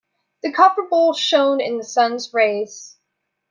The copper bowl shone in the sun's rays.